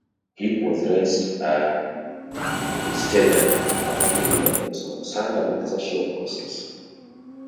Heap was raised a Presbyterian in a family that was concerned about social causes.